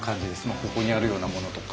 ここにあるようなものとか。